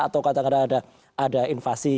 atau katakanlah ada invasi